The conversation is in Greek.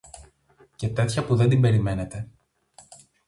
Και τέτοια που δεν την περιμένετε.